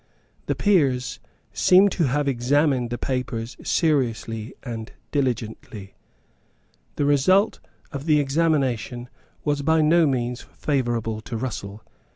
The Peers seem to have examined the papers seriously and diligently. The result of the examination was by no means favourable to Russell.